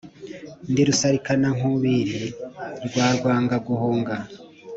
ndi rusarikanankubiri rwa rwangaguhunga